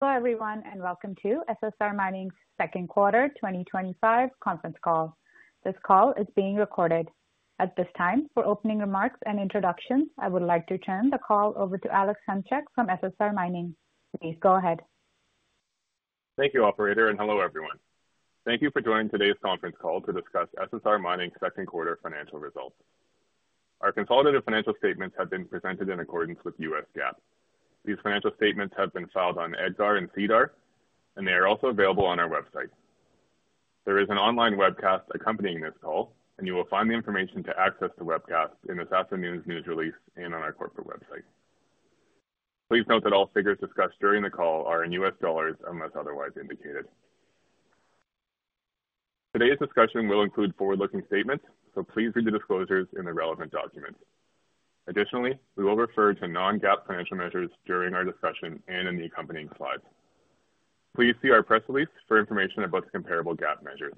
Hello, everyone, and welcome to SSR Mining's Second Quarter 2025 Conference Call. This call is being recorded. At this time, for opening remarks and introductions, I would like to turn the call over to Alex Hunchak from SSR Mining. Please go ahead. Thank you, Operator, and hello, everyone. Thank you for joining today's conference call to discuss SSR Mining's second quarter financial results. Our consolidated financial statements have been presented in accordance with U.S. GAAP. These financial statements have been filed on EDGAR and SEDAR, and they are also available on our website. There is an online webcast accompanying this call, and you will find the information to access the webcast in this afternoon's news release and on our corporate website. Please note that all figures discussed during the call are in U.S. dollars unless otherwise indicated. Today's discussion will include forward-looking statements, so please read the disclosures in the relevant documents. Additionally, we will refer to non-GAAP financial measures during our discussion and in the accompanying slides. Please see our press release for information about the comparable GAAP measures.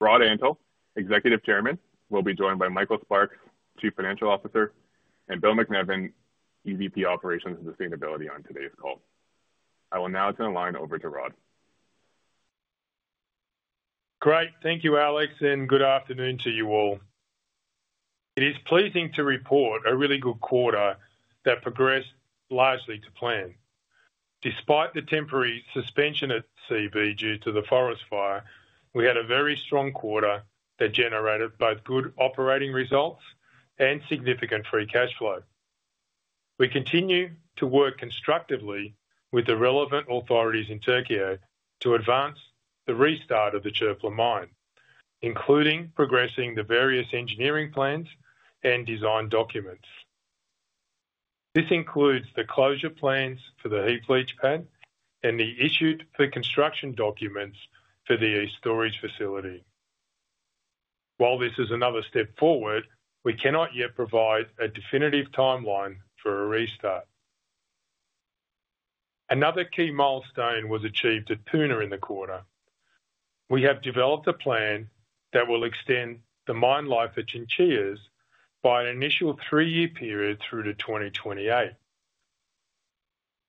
Rod Antal, Executive Chairman, will be joined by Michael Sparks, Chief Financial Officer, and Bill MacNevin, EVP, Operations and Sustainability, on today's call. I will now turn the line over to Rod. Great, thank you, Alex, and good afternoon to you all. It is pleasing to report a really good quarter that progressed largely to plan. Despite the temporary suspension at CB due to the forest fire, we had a very strong quarter that generated both good operating results and significant free cash flow. We continue to work constructively with the relevant authorities in Türkiye to advance the restart of the Çöpler mine, including progressing the various engineering plans and design documents. This includes the closure plans for the heap leach pad and the issued construction documents for the storage facility. While this is another step forward, we cannot yet provide a definitive timeline for a restart. Another key milestone was achieved at Puna in the quarter. We have developed a plan that will extend the mine life at Chinchillas by an initial three-year period through to 2028.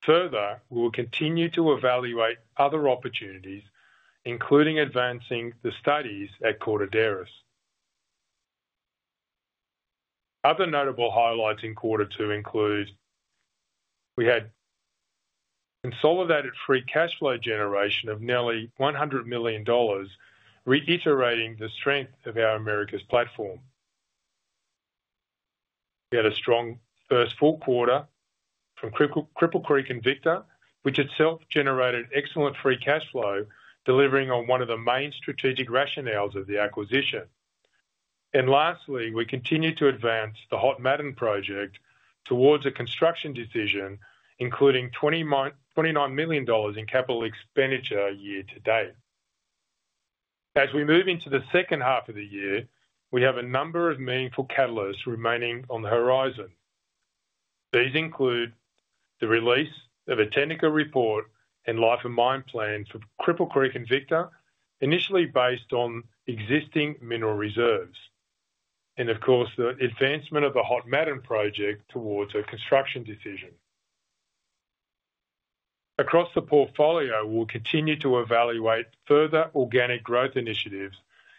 Further, we will continue to evaluate other opportunities, including advancing the studies at Cordillera. Other notable highlights in quarter two include we had consolidated free cash flow generation of nearly $100 million, reiterating the strength of our Americas platform. We had a strong first full quarter from Cripple Creek & Victor, which itself generated excellent free cash flow, delivering on one of the main strategic rationales of the acquisition. Lastly, we continue to advance the Hod Maden project towards a construction decision, including $29 million in capital expenditures year to date. As we move into the second half of the year, we have a number of meaningful catalysts remaining on the horizon. These include the release of a technical report and life-of-mine plans for Cripple Creek & Victor, initially based on existing mineral reserves, and of course, the advancement of the Hod Maden project towards a construction decision. Across the portfolio, we'll continue to evaluate further organic growth initiatives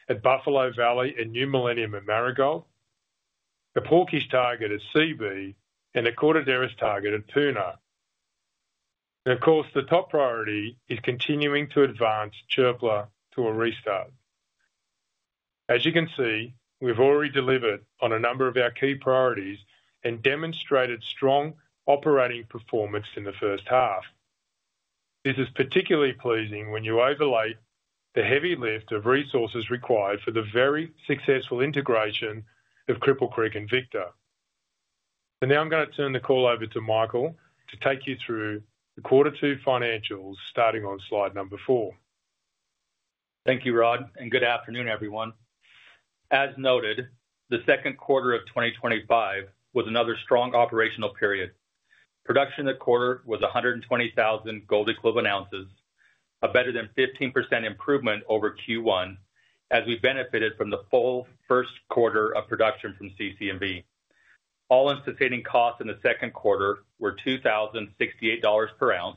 at Buffalo Valley and New Millennium at Marigold, a Porky target at CB, and a Cordillera target at Puna. Of course, the top priority is continuing to advance Çöpler to a restart. As you can see, we've already delivered on a number of our key priorities and demonstrated strong operating performance in the first half. This is particularly pleasing when you overlay the heavy lift of resources required for the very successful integration of Cripple Creek & Victor. Now I'm going to turn the call over to Michael to take you through the quarter two financials, starting on slide number four. Thank you, Rod, and good afternoon, everyone. As noted, the second quarter of 2025 was another strong operational period. Production in the quarter was 120,000 gold equivalent oz, a better than 15% improvement over Q1, as we benefited from the full first quarter of production from CC&V. All-in sustaining costs in the second quarter were $2,068 per oz,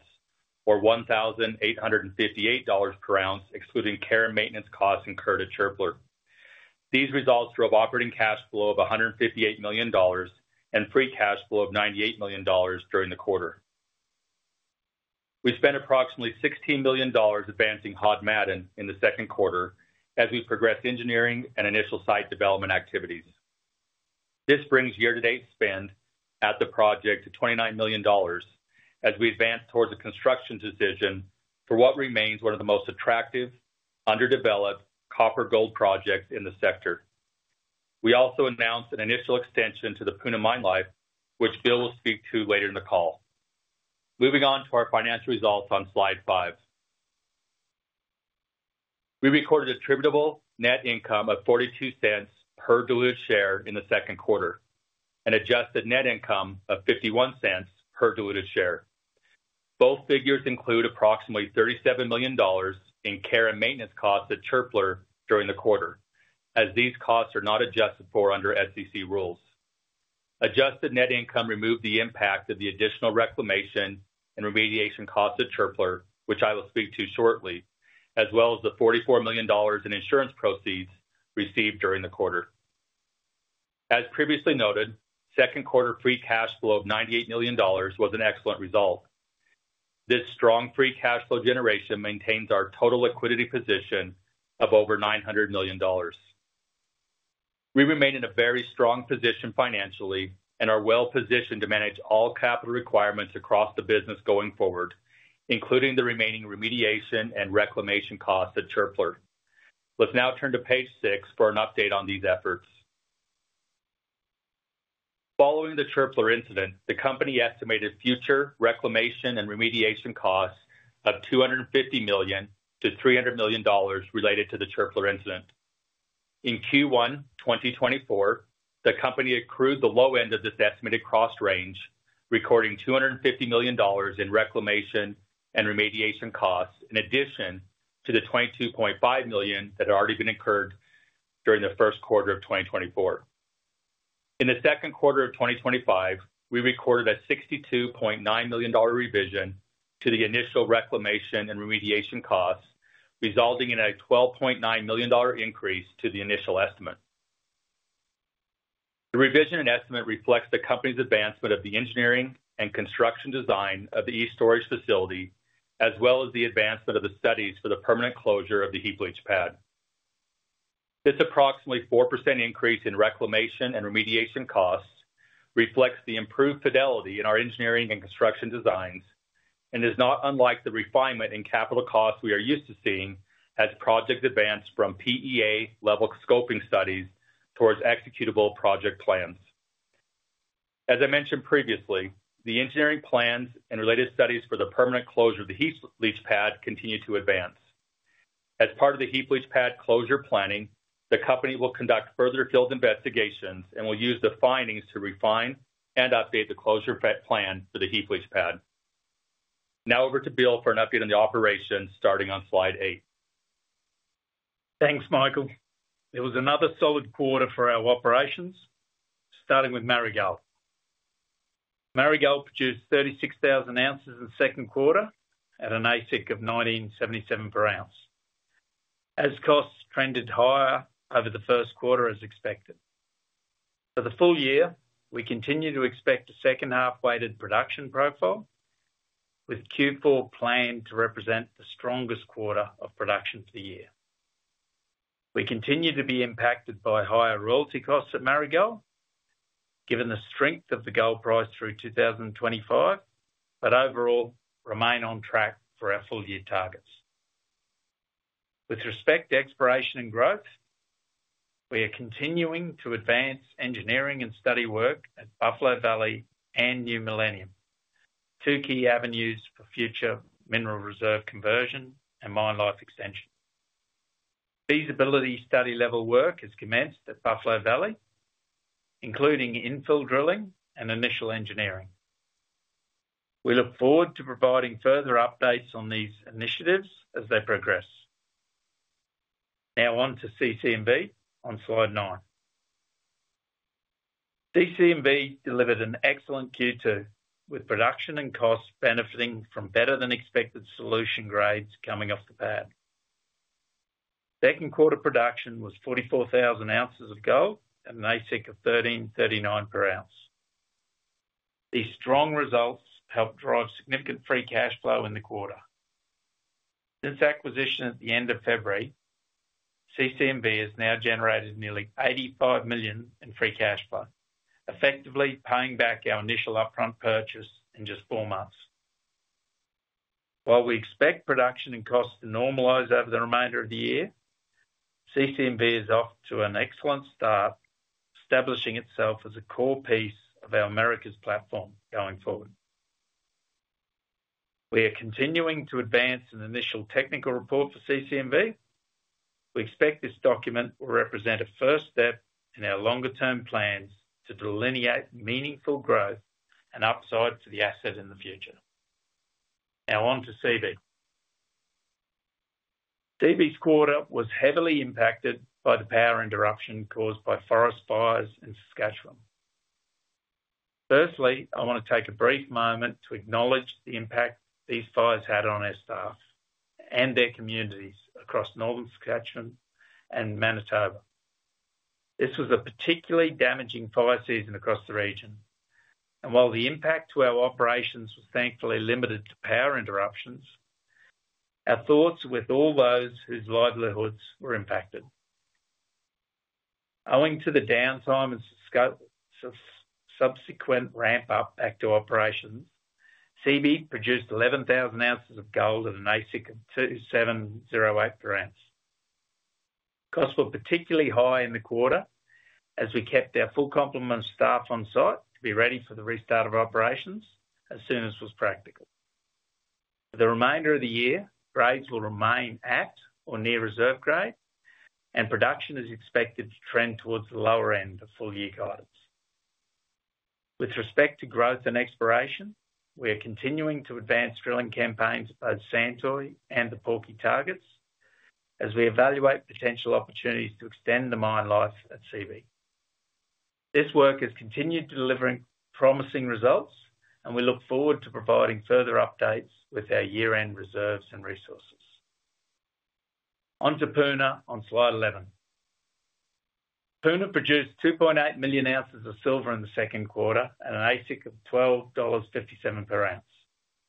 or $1,858 per oz, excluding care and maintenance costs incurred at Çöpler. These results drove operating cash flow of $158 million and free cash flow of $98 million during the quarter. We spent approximately $16 million advancing Hod Maden in the second quarter as we progressed engineering and initial site development activities. This brings year-to-date spend at the project to $29 million, as we advance towards a construction decision for what remains one of the most attractive, underdeveloped copper gold projects in the sector. We also announced an initial extension to the Puna mine life, which Bill will speak to later in the call. Moving on to our financial results on slide five, we recorded attributable net income of $0.42 per diluted share in the second quarter and adjusted net income of $0.51 per diluted share. Both figures include approximately $37 million in care and maintenance costs at Çöpler during the quarter, as these costs are not adjusted for under SEC rules. Adjusted net income removed the impact of the additional reclamation and remediation costs at Çöpler, which I will speak to shortly, as well as the $44 million in insurance proceeds received during the quarter. As previously noted, second quarter free cash flow of $98 million was an excellent result. This strong free cash flow generation maintains our total liquidity position of over $900 million. We remain in a very strong position financially and are well positioned to manage all capital requirements across the business going forward, including the remaining remediation and reclamation costs at Çöpler. Let's now turn to page six for an update on these efforts. Following the Çöpler incident, the company estimated future reclamation and remediation costs of $250 million-$300 million related to the Çöpler incident. In Q1 2024, the company accrued the low end of this estimated cost range, recording $250 million in reclamation and remediation costs, in addition to the $22.5 million that had already been incurred during the first quarter of 2024. In the second quarter of 2025, we recorded a $62.9 million revision to the initial reclamation and remediation costs, resulting in a $12.9 million increase to the initial estimate. The revision in estimate reflects the company's advancement of the engineering and construction design of the e-storage facility, as well as the advancement of the studies for the permanent closure of the heap leach pad. This approximately 4% increase in reclamation and remediation costs reflects the improved fidelity in our engineering and construction designs and is not unlike the refinement in capital costs we are used to seeing as projects advance from PEA level scoping studies towards executable project plans. As I mentioned previously, the engineering plans and related studies for the permanent closure of the heap leach pad continue to advance. As part of the heap leach pad closure planning, the company will conduct further field investigations and will use the findings to refine and update the closure plan for the heap leach pad. Now over to Bill for an update on the operations, starting on slide eight. Thanks, Michael. It was another solid quarter for our operations, starting with Marigold. Marigold produced 36,000 oz in the second quarter at an AISC of $1,977 per oz, as costs trended higher over the first quarter as expected. For the full year, we continue to expect a second half weighted production profile, with Q4 planned to represent the strongest quarter of production for the year. We continue to be impacted by higher royalty costs at Marigold, given the strength of the gold price through 2025, but overall remain on track for our full year targets. With respect to exploration and growth, we are continuing to advance engineering and study work at Buffalo Valley and New Millennium, two key avenues for future mineral reserve conversion and mine life extension. Feasibility study level work has commenced at Buffalo Valley, including infill drilling and initial engineering. We look forward to providing further updates on these initiatives as they progress. Now on to Cripple Creek & Victor on slide nine. Cripple Creek & Victor delivered an excellent Q2, with production and costs benefiting from better than expected solution grades coming off the pad. Second quarter production was 44,000 oz of gold and an AISC of $1,339 per oz. These strong results helped drive significant free cash flow in the quarter. Since acquisition at the end of February, Cripple Creek & Victor has now generated nearly $85 million in free cash flow, effectively paying back our initial upfront purchase in just four months. While we expect production and costs to normalize over the remainder of the year, Cripple Creek & Victor is off to an excellent start, establishing itself as a core piece of our Americas platform going forward. We are continuing to advance an initial technical report for Cripple Creek & Victor. We expect this document will represent a first step in our longer-term plans to delineate meaningful growth and upside for the asset in the future. Now on to CB. CB's quarter was heavily impacted by the power interruption caused by forest fires in Saskatchewan. Firstly, I want to take a brief moment to acknowledge the impact these fires had on our staff and their communities across northern Saskatchewan and Manitoba. This was a particularly damaging fire season across the region, and while the impact to our operations was thankfully limited to power interruptions, our thoughts are with all those whose livelihoods were impacted. Owing to the downtime and subsequent ramp-up back to operations, CB produced 11,000 oz of gold at an AISC of $2,708 per oz. Costs were particularly high in the quarter as we kept our full complement staff on site to be ready for the restart of operations as soon as it was practical. For the remainder of the year, grades will remain at or near reserve grade, and production is expected to trend towards the lower end of full year guidance. With respect to growth and exploration, we are continuing to advance drilling campaigns at both Santoy and the Porky targets as we evaluate potential opportunities to extend the mine life at CB. This work has continued to deliver promising results, and we look forward to providing further updates with our year-end reserves and resources. On to Puna on slide 11. Puna produced 2.8 million oz of silver in the second quarter at an AISC of $12.57 per oz,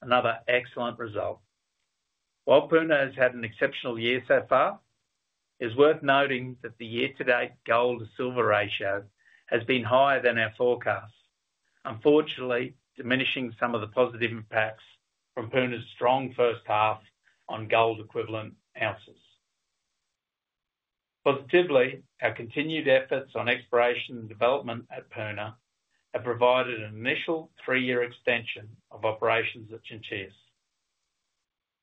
another excellent result. While Puna has had an exceptional year so far, it is worth noting that the year-to-date gold to silver ratio has been higher than our forecasts, unfortunately diminishing some of the positive impacts from Puna's strong first half on gold equivalent ounces. Positively, our continued efforts on exploration and development at Puna have provided an initial three-year extension of operations at Chinchillas.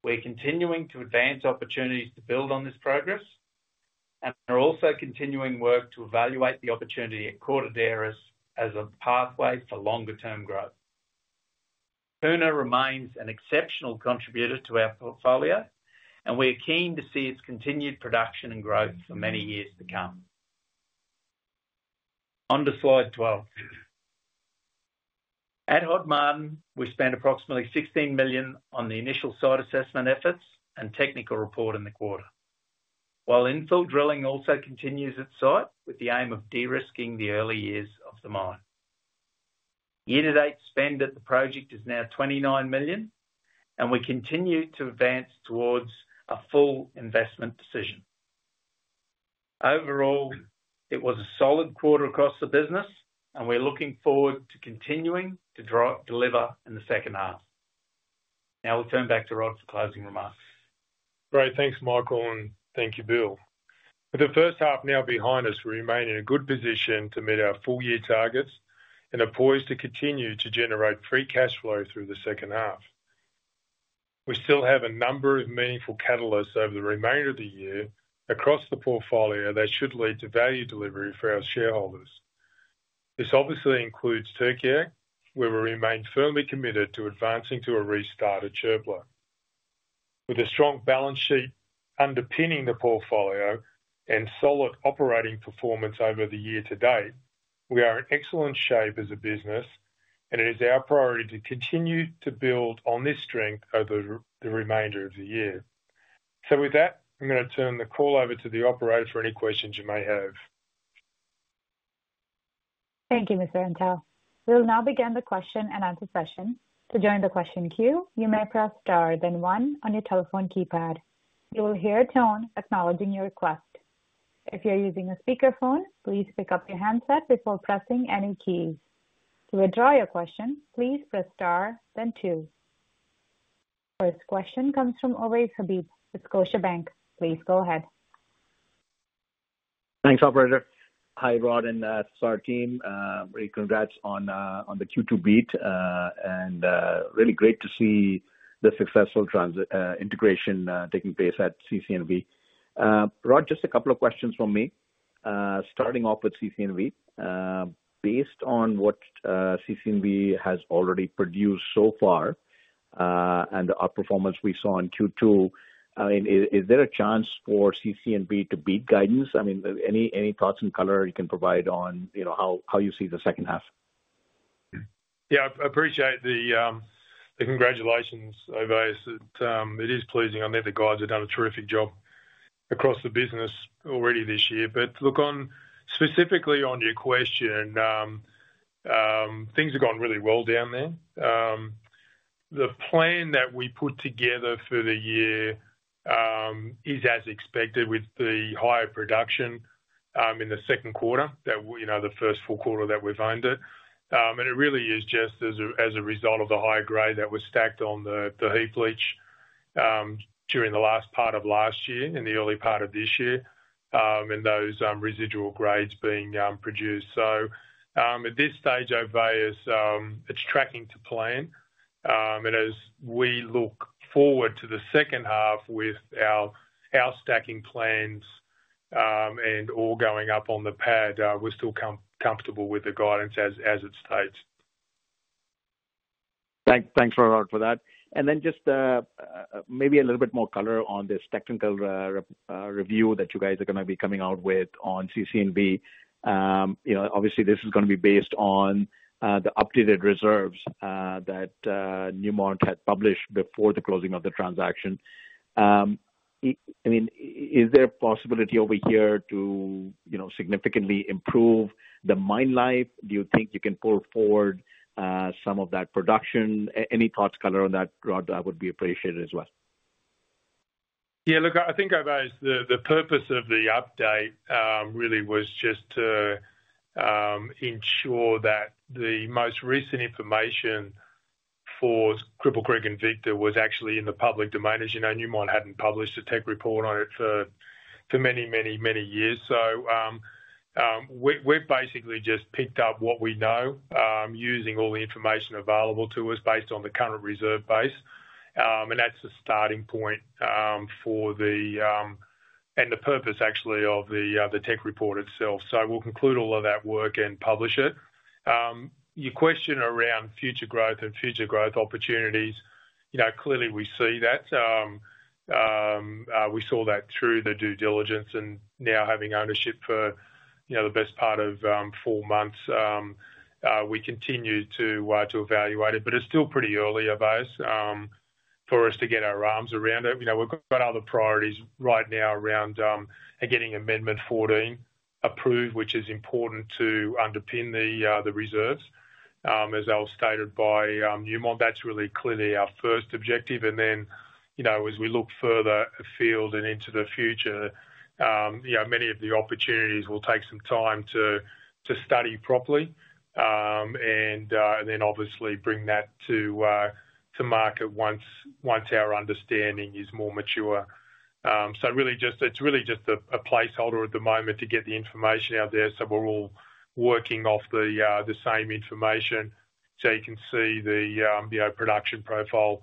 We are continuing to advance opportunities to build on this progress, and we are also continuing work to evaluate the opportunity at Cordillera as a pathway for longer-term growth. Puna remains an exceptional contributor to our portfolio, and we are keen to see its continued production and growth for many years to come. On to slide 12. At Hod Maden, we spent approximately $16 million on the initial site assessment efforts and technical report in the quarter, while infill drilling also continues at site with the aim of de-risking the early years of the mine. Year-to-date spend at the project is now $29 million, and we continue to advance towards a full investment decision. Overall, it was a solid quarter across the business, and we are looking forward to continuing to deliver in the second half. Now we'll turn back to Rod for closing remarks. Great, thanks Michael, and thank you Bill. With the first half now behind us, we remain in a good position to meet our full year targets and are poised to continue to generate free cash flow through the second half. We still have a number of meaningful catalysts over the remainder of the year across the portfolio that should lead to value delivery for our shareholders. This obviously includes Türkiye, where we remain firmly committed to advancing to a restart at Çöpler. With a strong balance sheet underpinning the portfolio and solid operating performance over the year-to-date, we are in excellent shape as a business, and it is our priority to continue to build on this strength over the remainder of the year. I'm going to turn the call over to the operator for any questions you may have. Thank you, Mr. Antal. We will now begin the question-and-answer session. To join the question queue, you may press star then one on your telephone keypad. You will hear a tone acknowledging your request. If you're using a speakerphone, please pick up your handset before pressing any key. To withdraw your question, please press star then two. First question comes from Ovais Habib with Scotiabank. Please go ahead. Thanks, Operator. Hi, Rod and to our team, really congrats on the Q2 beat and really great to see the successful integration taking place at CC&V. Rod, just a couple of questions from me. Starting off with CC&V, based on what CC&V has already produced so far and the outperformance we saw in Q2, is there a chance for CC&V to beat guidance? Any thoughts in color you can provide on how you see the second half? Yeah, I appreciate the congratulations over there. It is pleasing. I think the guys have done a terrific job across the business already this year. Specifically on your question, things have gone really well down there. The plan that we put together for the year is as expected with the higher production in the second quarter, the first full quarter that we've owned it. It really is just as a result of the higher grade that was stacked on the heap leach during the last part of last year and the early part of this year, and those residual grades being produced. At this stage, Ovais, it is tracking to plan. As we look forward to the second half with our stacking plans and all going up on the pad, we're still comfortable with the guidance as it states. Thanks for that. Maybe a little bit more color on this technical review that you guys are going to be coming out with on CC&V. Obviously, this is going to be based on the updated reserves that Newmont had published before the closing of the transaction. Is there a possibility over here to significantly improve the mine life? Do you think you can pull forward some of that production? Any thoughts or color on that, Rod? That would be appreciated as well. Yeah, look, I think Ovais, the purpose of the update really was just to ensure that the most recent information for Cripple Creek & Victor was actually in the public domain. As you know, Newmont hadn't published a technical report on it for many, many, many years. We've basically just picked up what we know using all the information available to us based on the current reserve base, and that's the starting point for the purpose of the technical report itself. We'll conclude all of that work and publish it. Your question around future growth and future growth opportunities, clearly we see that. We saw that through the due diligence and now having ownership for the best part of four months. We continue to evaluate it, but it's still pretty early for us to get our arms around it. We've got other priorities right now around getting Amendment 14 approved, which is important to underpin the reserves. As was stated by Newmont, that's really clearly our first objective. As we look further afield and into the future, many of the opportunities will take some time to study properly and then obviously bring that to market once our understanding is more mature. It's really just a placeholder at the moment to get the information out there so we're all working off the same information. You can see the production profile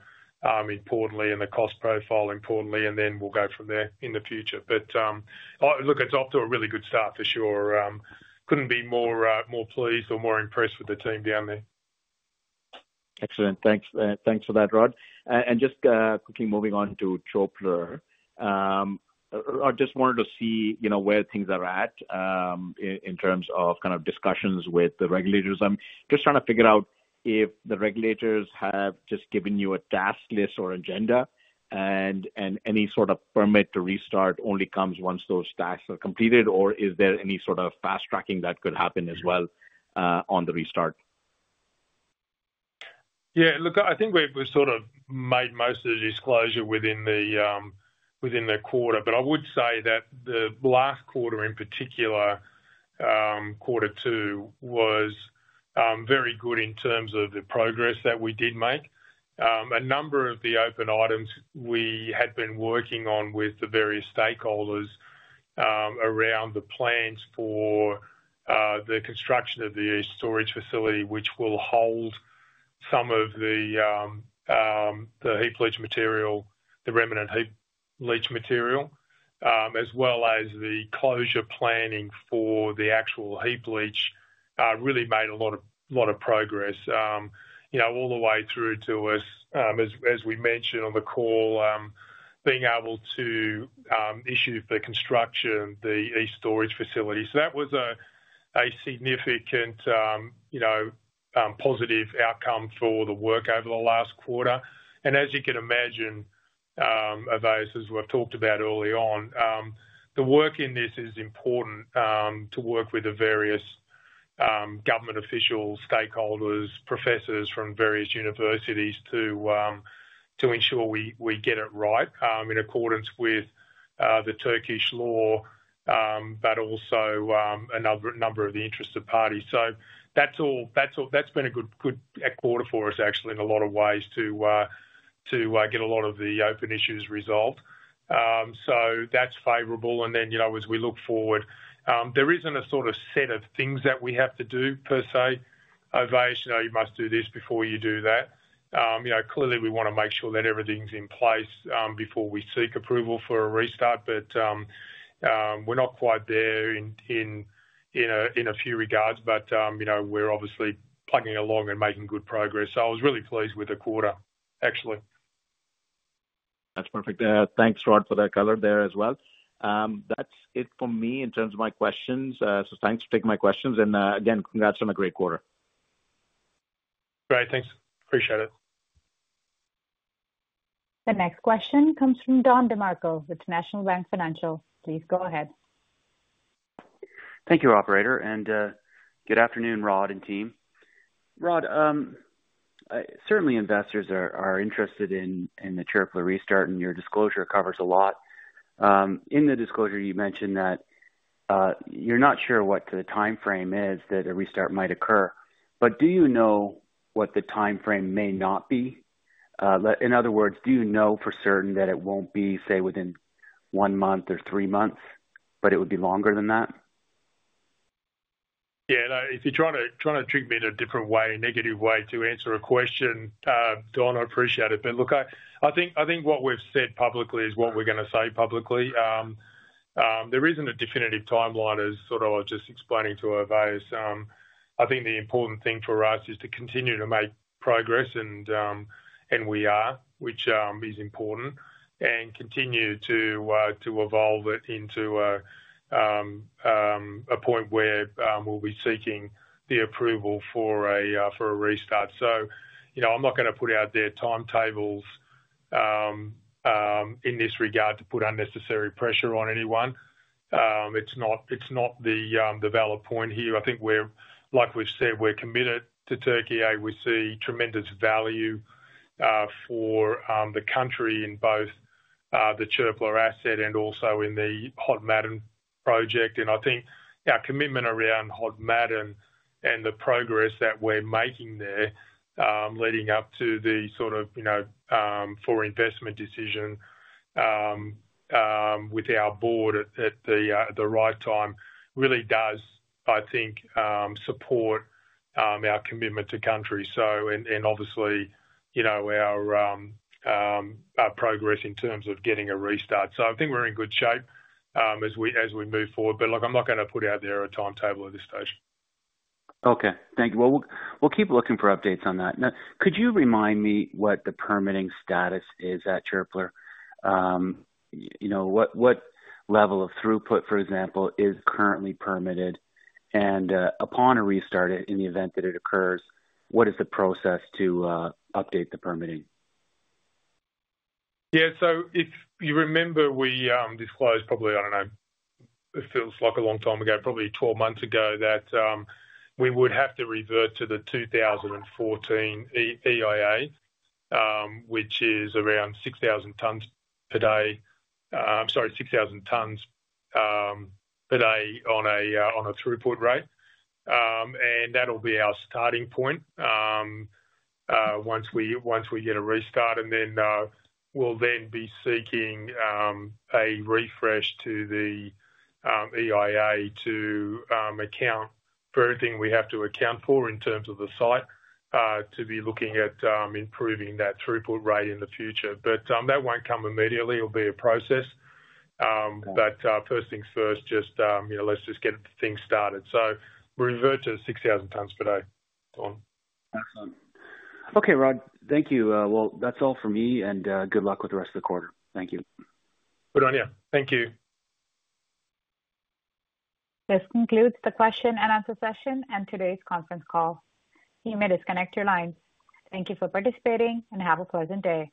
importantly and the cost profile importantly, and then we'll go from there in the future. It's off to a really good start for sure. Couldn't be more pleased or more impressed with the team down there. Excellent. Thanks for that, Rod. Just quickly moving on to Çöpler, I just wanted to see, you know, where things are at in terms of kind of discussions with the regulators. I'm just trying to figure out if the regulators have just given you a task list or agenda and any sort of permit to restart only comes once those tasks are completed, or is there any sort of fast tracking that could happen as well on the restart? Yeah, look, I think we've sort of made most of the disclosure within the quarter, but I would say that the last quarter, in particular, quarter two, was very good in terms of the progress that we did make. A number of the open items we had been working on with the various stakeholders around the plans for the construction of the storage facility, which will hold some of the heap leach material, the remnant heap leach material, as well as the closure planning for the actual heap leach, really made a lot of progress. All the way through to us, as we mentioned on the call, being able to issue for construction the E-storage facility. That was a significant, positive outcome for the work over the last quarter. As you can imagine, Ovais, as we've talked about early on, the work in this is important to work with the various government officials, stakeholders, professors from various universities to ensure we get it right in accordance with the Turkish law, but also a number of the interested parties. That's all, that's been a good quarter for us, actually, in a lot of ways to get a lot of the open issues resolved. That's favorable. As we look forward, there isn't a sort of set of things that we have to do per se. Ovais, you know, you must do this before you do that. Clearly we want to make sure that everything's in place before we seek approval for a restart. We're not quite there in a few regards, but we're obviously plugging along and making good progress. I was really pleased with the quarter, actually. That's perfect. Thanks, Rod, for that color there as well. That's it for me in terms of my questions. Thanks for taking my questions, and again, congrats on a great quarter. Great, thanks. Appreciate it. The next question comes from Don DeMarco with National Bank Financial. Please go ahead. Thank you, Operator, and good afternoon, Rod and team. Rod, certainly investors are interested in the Çöpler restart, and your disclosure covers a lot. In the disclosure, you mentioned that you're not sure what the timeframe is that a restart might occur, but do you know what the timeframe may not be? In other words, do you know for certain that it won't be, say, within one month or three months, but it would be longer than that? Yeah, and if you're trying to trick me in a different way, negative way, to answer a question, Don, I appreciate it. Look, I think what we've said publicly is what we're going to say publicly. There isn't a definitive timeline, as I was just explaining to Ovais. I think the important thing for us is to continue to make progress, and we are, which is important, and continue to evolve it into a point where we'll be seeking the approval for a restart. I'm not going to put out there timetables in this regard to put unnecessary pressure on anyone. It's not the valid point here. I think we're, like we've said, we're committed to Türkiye. We see tremendous value for the country in both the Çöpler asset and also in the Hod Maden project. I think our commitment around Hod Maden and the progress that we're making there leading up to the sort of, you know, foreign investment decision with our board at the right time really does, I think, support our commitment to country. Obviously, you know, our progress in terms of getting a restart. I think we're in good shape as we move forward. Look, I'm not going to put out there a timetable at this stage. Okay, thank you. We'll keep looking for updates on that. Could you remind me what the permitting status is at Çöpler? You know, what level of throughput, for example, is currently permitted? Upon a restart in the event that it occurs, what is the process to update the permitting? Yeah, if you remember, we disclosed probably, I don't know, it feels like a long time ago, probably 12 months ago that we would have to revert to the 2014 EIA, which is around 6,000 tons per day, I'm sorry, 6,000 tons per day on a throughput rate. That'll be our starting point once we get a restart. We will then be seeking a refresh to the EIA to account for everything we have to account for in terms of the site to be looking at improving that throughput rate in the future. That won't come immediately. It'll be a process. First things first, just, you know, let's just get things started. Revert to 6,000 tons per day. Excellent. Okay, Rod, thank you. That's all for me. Good luck with the rest of the quarter. Thank you. Good on you. Thank you. This concludes the question-and-answer session and today's conference call. You may disconnect your line. Thank you for participating and have a pleasant day.